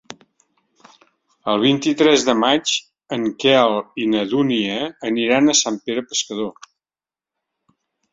El vint-i-tres de maig en Quel i na Dúnia aniran a Sant Pere Pescador.